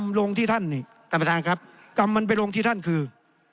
กรรมลงที่ท่านนี่ต่ำมาทางครับกรรมมันไปลงที่ท่านคือ